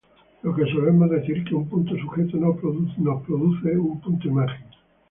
Lo que solemos decir que un punto sujeto nos produce un punto imagen.